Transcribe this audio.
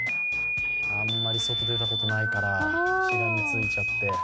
あまり外、出たことないから、しがみついちゃって。